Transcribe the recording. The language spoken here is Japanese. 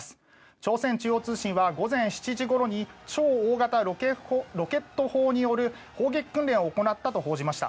朝鮮中央通信は午前７時ごろに超大型ロケット砲による砲撃訓練を行ったと報じました。